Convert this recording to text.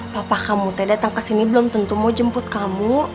papa kamu teh dateng kesini belum tentu mau jemput kamu